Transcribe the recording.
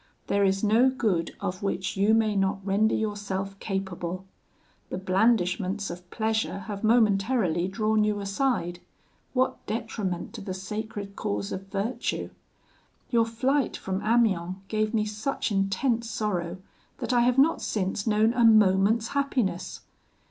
There is no good of which you may not render yourself capable. The blandishments of pleasure have momentarily drawn you aside. What detriment to the sacred cause of virtue! Your flight from Amiens gave me such intense sorrow, that I have not since known a moment's happiness.